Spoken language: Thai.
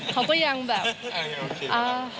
เขาก็ยังแบบอ่า